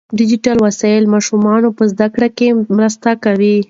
ډیجیټل وسایل ماشومان په زده کړه کې مرسته کوي.